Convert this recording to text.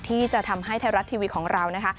ที่จะทำให้ไทยรัฐทีวีของเรานะคะ